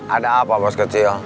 ada apa bos kecil